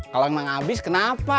kalau emang habis kenapa